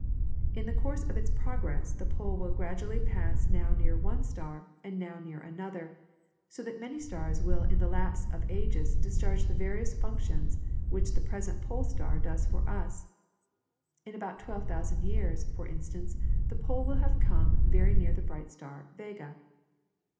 In the course of its progress the pole will gradually pass now near one star and now near another, so that many stars will in the lapse of ages discharge the various functions which the present Pole Star does for us. In about 12,000 years, for instance, the pole will have come near the bright star, Vega.